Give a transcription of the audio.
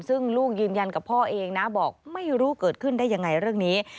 ซึ่งลูกยืนยันกับพ่อเองนะบอกไม่รู้เกิดขึ้นได้ยังไงเรื่องนี้